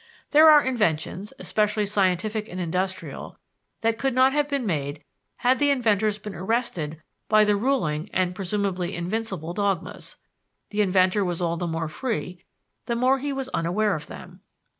There are inventions, especially scientific and industrial, that could not have been made had the inventors been arrested by the ruling and presumably invincible dogmas. The inventor was all the more free the more he was unaware of them.